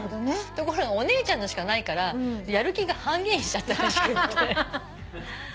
ところがお姉ちゃんのしかないからやる気が半減しちゃったらしくって。